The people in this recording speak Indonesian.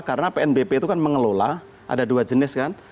karena pnbp itu kan mengelola ada dua jenis kan